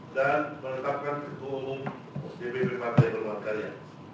dan menetapkan ketua umum dpp partai golongan karya